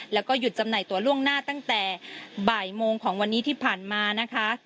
แล้วก็หยุดจำหน่ายตัวล่วงหน้าตั้งแต่บ่ายโมงของวันนี้ที่ผ่านมานะคะ